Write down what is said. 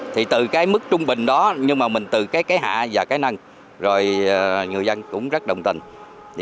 thì từ cái mức trung bình đó nhưng mà mình từ cái hạ và cái năng rồi người dân cũng rất đồng tình